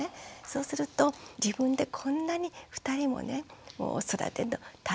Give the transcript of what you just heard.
そうすると自分でこんなに２人もねもう育てるの大変なんだ